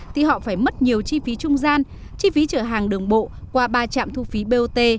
thì họ phải mất nhiều chi phí trung gian chi phí chở hàng đường bộ qua ba trạm thu phí bot